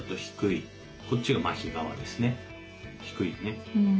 低いね。